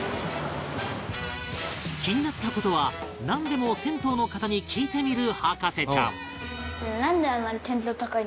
気になった事はなんでも銭湯の方に聞いてみる博士ちゃん